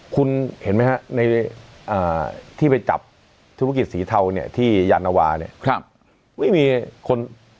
คุณเห็นมั้ยครับที่ไปจับธุรกิจสีเทาที่ยาวนาวาเนี่ย